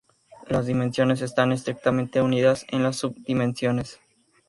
Las dimensiones están estrictamente unidas en las sub-dimensiones.